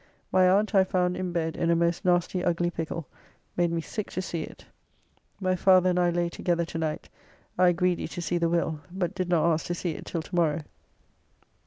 My aunt I found in bed in a most nasty ugly pickle, made me sick to see it. My father and I lay together tonight, I greedy to see the will, but did not ask to see it till to morrow.